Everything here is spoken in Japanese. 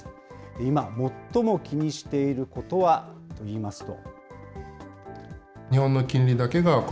今最も気にしていることはといいますと。